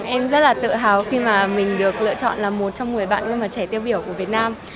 em rất là tự hào khi mà mình được lựa chọn là một trong một mươi bạn gương mặt trẻ tiêu biểu của việt nam